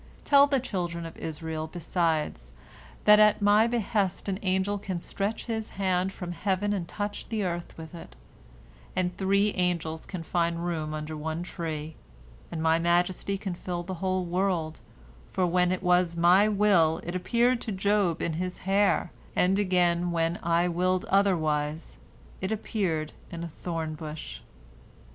Tell the children of Israel, besides, that at My behest an angel can stretch his hand from heaven and touch the earth with it, and three angels can find room under one tree, and My majesty can fill the whole world, for when it was My will, it appeared to Job in his hair, and, again, when I willed otherwise, it appeared in a thorn bush."